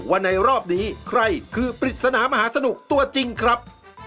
ว่าในรอบนี้ใครคือปริศนามหาสนุกตัวจริงครับ